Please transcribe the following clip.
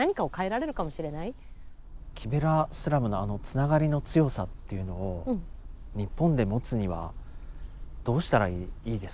キベラスラムのあのつながりの強さっていうのを日本で持つにはどうしたらいいですかね？